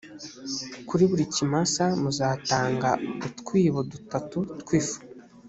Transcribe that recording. kuri buri kimasa muzatanga utwibo dutatu tw’ifu.